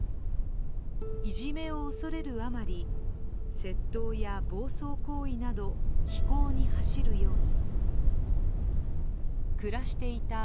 いじめを恐れるあまり、窃盗や暴走行為など非行に走るように。